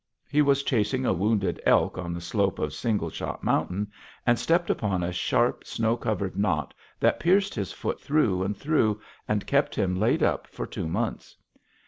He was chasing a wounded elk on the slope of Single Shot Mountain, and stepped upon a sharp, snow covered knot that pierced his foot through and through, and kept him laid up for two months.